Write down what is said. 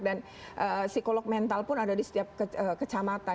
dan psikolog mental pun ada di setiap kecamatan